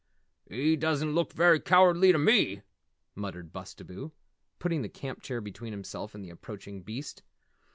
"He doesn't look very cowardly to me," muttered Bustabo, putting the camp chair between himself and the approaching beast.